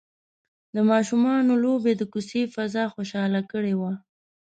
د ماشومانو لوبې د کوڅې فضا خوشحاله کړې وه.